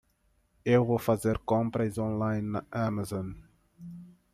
Eu vou fazer compras on-line na Amazon.